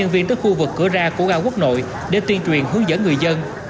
nhân viên tới khu vực cửa ra của ga quốc nội để tuyên truyền hướng dẫn người dân